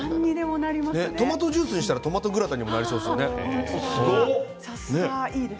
トマトジュースにしたらトマトグラタンになりますね。